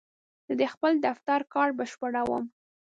زه د خپل دفتر کار بشپړوم.